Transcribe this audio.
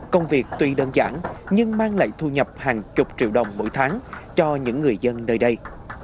công việc tuy đơn giản nhưng mang lại thu nhập hàng chục triệu đồng mỗi tháng cho những người dân nơi đây